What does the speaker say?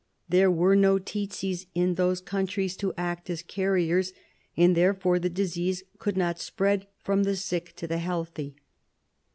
There were no testse in those countries to act as carriers, and therefore the disease could not spread from the sick to the healthy.